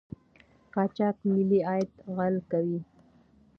قاچاق ملي عاید غلا کوي.